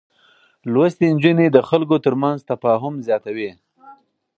لوستې نجونې د خلکو ترمنځ تفاهم زياتوي.